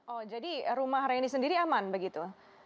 oh jadi rumah reni sendiri aman begitu